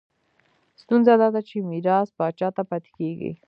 ستونزه دا ده چې میراث پاچا ته پاتې کېږي.